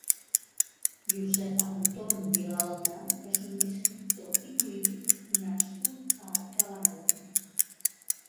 Josep Anton Vilalta és un escriptor i polític nascut a Cabanabona.